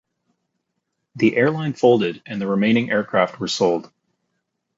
The airline folded and the remaining aircraft were sold.